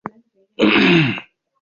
Alijishindia fedha taslimu milioni moja